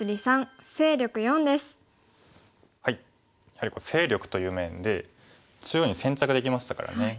やはり勢力という面で中央に先着できましたからね。